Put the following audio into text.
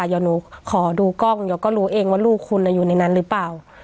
เดี๋ยวหนูขอดูกล้องเดี๋ยวก็รู้เองว่าลูกคุณอยู่ในนั้นหรือเปล่า